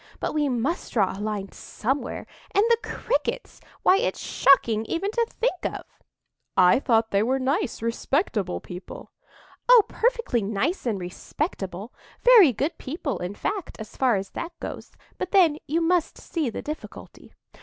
But we must draw a line somewhere,—and the Crickets! why, it's shocking even to think of!" "I thought they were nice, respectable people." "Oh, perfectly nice and respectable,—very good people, in fact, so far as that goes. But then you must see the difficulty."